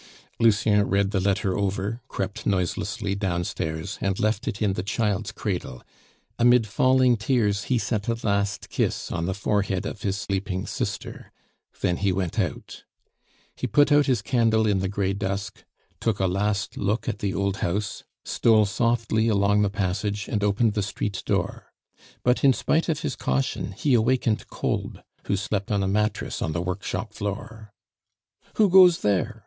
Lucien read the letter over, crept noiselessly down stairs, and left it in the child's cradle; amid falling tears he set a last kiss on the forehead of his sleeping sister; then he went out. He put out his candle in the gray dusk, took a last look at the old house, stole softly along the passage, and opened the street door; but in spite of his caution, he awakened Kolb, who slept on a mattress on the workshop floor. "Who goes there?"